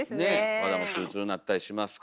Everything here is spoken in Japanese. お肌もツルツルになったりしますから。